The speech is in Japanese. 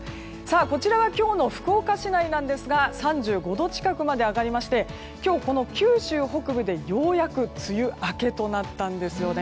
こちらは今日の福岡市内なんですが３５度近くまで上がりまして今日、九州北部でようやく梅雨明けとなったんです。